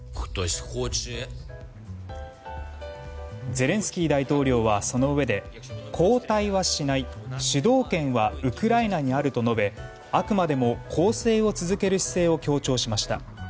ゼレンスキー大統領はそのうえで後退はしない主導権はウクライナにあると述べあくまで攻勢を続ける姿勢を強調しました。